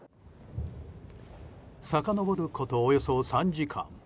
さかのぼること、およそ３時間。